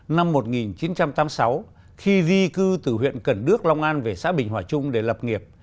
năm một nghìn chín trăm tám mươi sáu khi di cư từ huyện cần đước long an về xã bình hòa trung để lập nghiệp